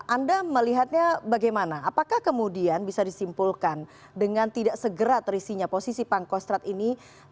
anda melihatnya bagaimana apakah kemudian bisa disimpulkan dengan tidak segera terisinya posisi pangkostrat ini